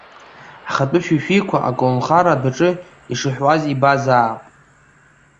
Ҳхатәы шәишәиқәа аколнхара адәаҿы ишыҳәуаз ибазаап.